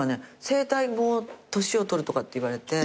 声帯も年を取るって言われて。